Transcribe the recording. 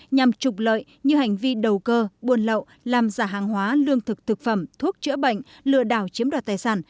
nhằm trục lợi như hành vi đầu cơ buôn lậu làm giả hàng hóa lương thực thực phẩm thuốc chữa bệnh lừa đảo chiếm đoạt tài sản